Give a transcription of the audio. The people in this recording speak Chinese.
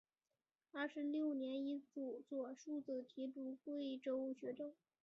二十六年以左庶子提督贵州学政。